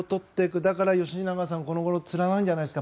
だから吉永さん、この頃つらないんじゃないですか？